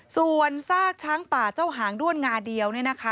ส่วนซากช้างป่าเจ้าหางด้วนงาเดียวเนี่ยนะคะ